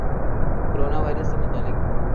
corona virus سے متعلق